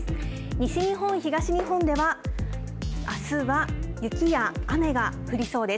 西日本、東日本では、あすは雪や雨が降りそうです。